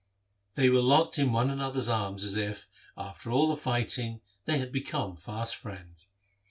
They were locked in one another's arms, as if, after all the fighting, they had become fast friends.